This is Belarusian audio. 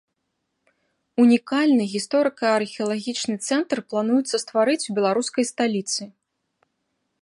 Унікальны гісторыка-археалагічны цэнтр плануецца стварыць у беларускай сталіцы.